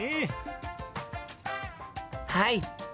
はい！